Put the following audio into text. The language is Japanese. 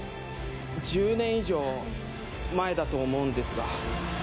１０年以上前だと思うんですが。